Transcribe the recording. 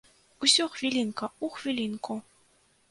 Усё хвілінка ў хвілінку!